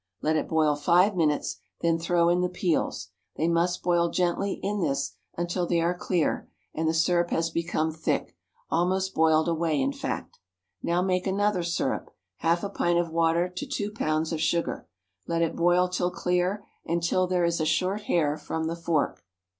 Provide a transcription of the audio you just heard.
Let it boil five minutes; then throw in the peels; they must boil gently in this until they are clear and the syrup has become thick almost boiled away, in fact. Now make another syrup, half a pint of water to two pounds of sugar; let it boil till clear and till there is a short hair from the fork.